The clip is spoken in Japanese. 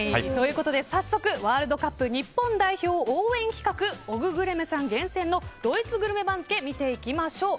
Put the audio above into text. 早速ワールドカップ日本代表応援企画おぐグルメさん厳選のドイツグルメ番付見ていきましょう。